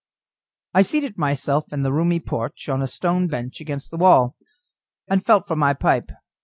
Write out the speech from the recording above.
I seated myself in the roomy porch on a stone bench against the wall, and felt for my pipe.